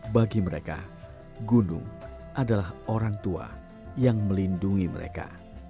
bagi mereka gunung adalah orang tua yang melindungi mereka